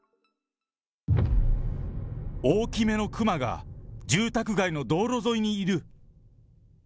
大きめの熊が住宅街の道路沿いにいる。